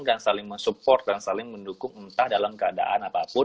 dan saling support dan saling mendukung entah dalam keadaan apapun